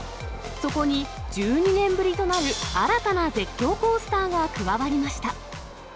そこに、１２年ぶりとなる新たな絶叫コースターが加わりました。